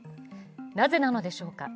なぜなのでしょうか。